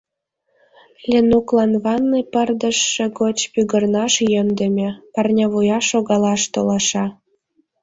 — Ленуклан ванный пырдыжше гоч пӱгырнаш йӧндымӧ, парнявуя шогалаш толаша.